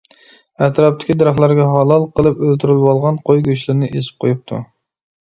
ئەتراپتىكى دەرەخلەرگە ھالال قىلىپ ئۆلتۈرۈۋالغان قوي گۆشلىرىنى ئېسىپ قويۇپتۇ.